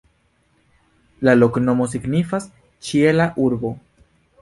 La loknomo signifas: "ĉiela urbo".